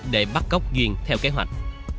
để bắt cóc duyên theo kế hoạch